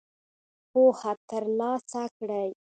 پوهه تر لاسه کړئ